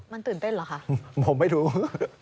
มันตื่นเต้นเหรอคะ